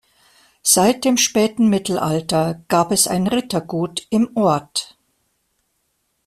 Seit dem späten Mittelalter gab es ein Rittergut im Ort.